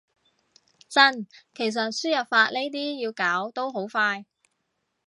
真，其實輸入法呢啲要搞都好快